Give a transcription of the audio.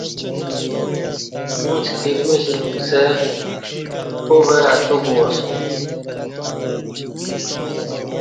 اُݩڅ کِرمِیچ نُوکسہ پاوہ اتو گواسوم